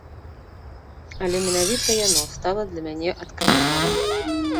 Але менавіта яно стала для мяне адкрыццём.